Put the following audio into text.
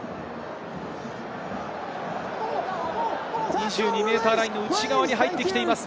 ２２ｍラインの内側に入ってきています。